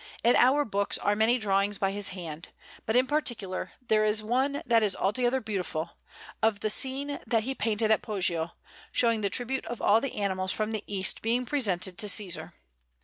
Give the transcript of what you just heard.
In our book are many drawings by his hand, all good; but in particular there is one that is altogether beautiful, of the scene that he painted at Poggio, showing the tribute of all the animals from the East being presented to Cæsar.